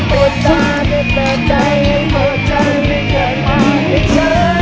ไม่เคยมาให้เชิญ